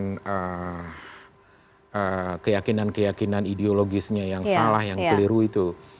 dengan keyakinan keyakinan ideologisnya yang salah yang keliru itu